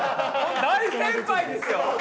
大先輩ですよ！